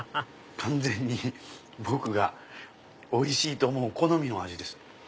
完全に僕がおいしいと思う好みの味です。